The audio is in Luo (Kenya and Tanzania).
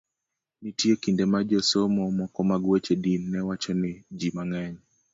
Nitie kinde ma josomo moko mag weche din ne wacho ni ji mang'eny